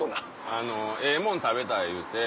あのええもん食べたい言うて。